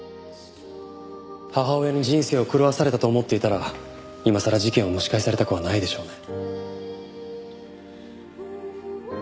母親に人生を狂わされたと思っていたら今さら事件を蒸し返されたくはないでしょうね。